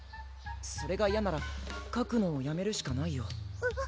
それが嫌ならかくのをやめるしかないよ